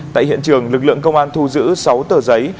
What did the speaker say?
tại hiện trường lực lượng công an thu giữ sáu tờ giấy